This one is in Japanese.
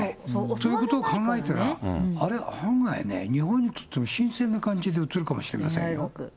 そういうことを考えたら、案外ね、日本にとっても、新鮮な感じに映るかもしれないですよ。